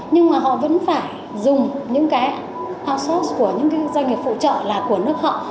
nhưng mà họ vẫn phải dùng những cái house của những cái doanh nghiệp phụ trợ là của nước họ